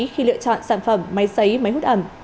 khi lựa chọn sản phẩm máy xấy máy hút ẩm